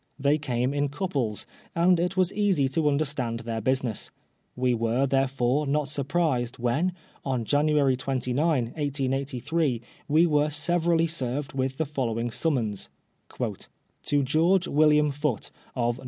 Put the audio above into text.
They came in couples, and it was easy to understand their business. We were, therefore, not surprised when, on January 29, 1883, we were severally served with the following summons :—" To George William Foote, of No.